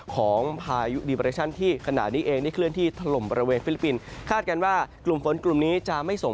ของภาคกลางนะครับ